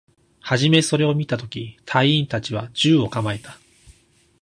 はじめそれを見たとき、隊員達は銃を構えた